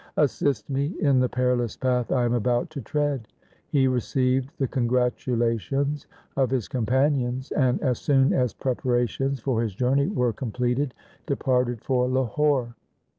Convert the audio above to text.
Assist me in the perilous path I am about to tread.' He re ceived the congratulations of his companions, and as soon as preparations for his journey were com pleted departed for Lahore.